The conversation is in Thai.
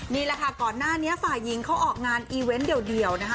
นี่แหละค่ะก่อนหน้านี้ฝ่ายหญิงเขาออกงานอีเวนต์เดียวนะคะ